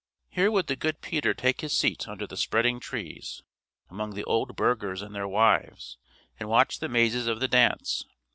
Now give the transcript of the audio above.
Here would the good Peter take his seat under the spreading trees, among the old burghers and their wives, and watch the mazes of the dance.